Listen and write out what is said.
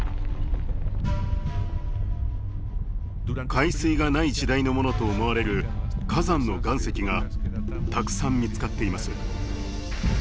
海水がない時代のものと思われる火山の岩石がたくさん見つかっています。